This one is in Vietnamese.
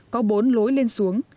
có bốn lối lên xuống